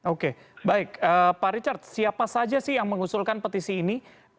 oke baik pak richard siapa saja sih yang mengusulkan petisi ini